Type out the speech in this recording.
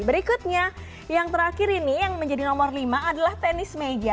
berikutnya yang terakhir ini yang menjadi nomor lima adalah tenis meja